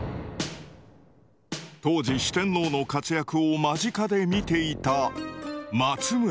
当時四天王の活躍を間近で見ていた松村邦洋。